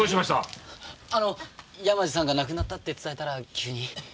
あの山路さんが亡くなったって伝えたら急に。